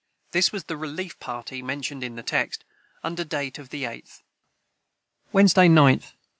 This was the relief party mentioned in the text, under date of the 8th.] Wed. 9th.